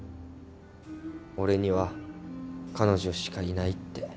俺には彼女しかいないって。